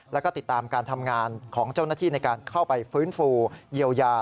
แล้วก็ติดตามการทำงานของเจ้าหน้าที่ในการเข้าไปฟื้นฟูเยียวยา